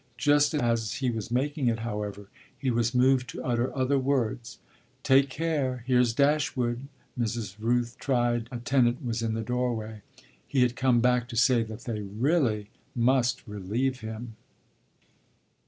Just as he was making it, however, he was moved to utter other words: "Take care, here's Dashwood!" Mrs. Rooth's tried attendant was in the doorway. He had come back to say that they really must relieve him.